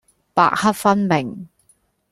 白黑分明